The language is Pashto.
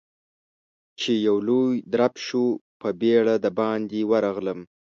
چې يو لوی درب شو، په بيړه د باندې ورغلم.